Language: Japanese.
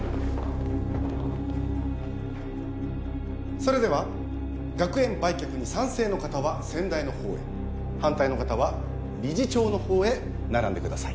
それでは学園売却に賛成の方は先代のほうへ反対の方は理事長のほうへ並んでください